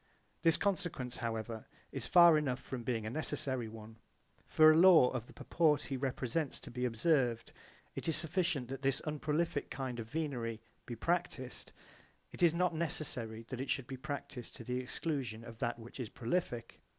This consequence however is far enough from being a necessary one. For a law of the purport he represents to be observed, it is sufficient that this unprolific kind of venery be practised; it is not necessary that it should be practised to the exclusion of that which is prolific.